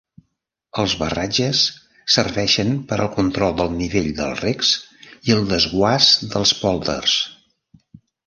Els barratges serveixen per al control del nivell dels recs i el desguàs dels pòlders.